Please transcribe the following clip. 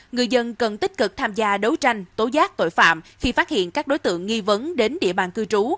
người dân cần tích cực tham gia đấu tranh tố giác tội phạm khi phát hiện các đối tượng nghi vấn đến địa bàn cư trú